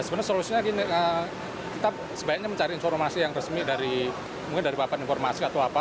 sebenarnya solusinya kita sebaiknya mencari informasi yang resmi dari mungkin dari papan informasi atau apa